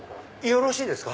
よろしいですか？